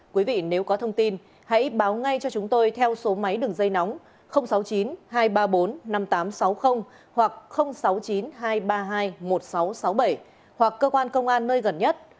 quý vị nếu có thông tin hãy báo ngay cho chúng tôi theo số máy đường dây nóng sáu mươi chín hai trăm ba mươi bốn năm nghìn tám trăm sáu mươi hoặc sáu mươi chín hai trăm ba mươi hai một nghìn sáu trăm sáu mươi bảy hoặc cơ quan công an nơi gần nhất